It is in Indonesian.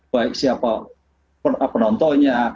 baik siapa penontonnya